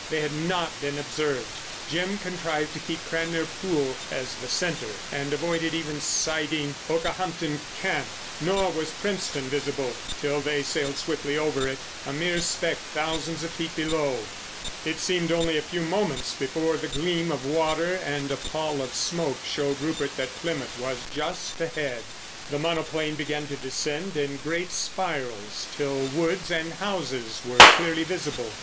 They had not been observed. Jim contrived to keep Cranmere Pool as the centre and avoided even sighting Okehampton Camp, nor was Princetown visible till they sailed swiftly over it—a mere speck thousands of feet below. It seemed only a few moments before the gleam of water and a pall of smoke showed Rupert that Plymouth was just ahead. The monoplane began to descend in great spirals, till woods and houses were clearly visible.